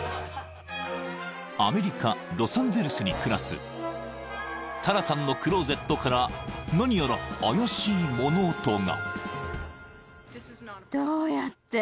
［アメリカロサンゼルスに暮らすタラさんのクローゼットから何やら怪しい物音が］